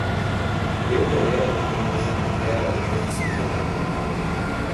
Eu vou ler a documentação do Keras neste fim de semana.